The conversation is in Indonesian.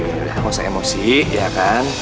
gini gini gak usah emosi ya kan